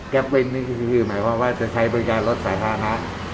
เว้นนี่คือหมายความว่าจะใช้บริการรถสาธารณะ